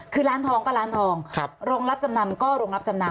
คือร้านทองก็ร้านทองโรงรับจำนำก็โรงรับจำนำ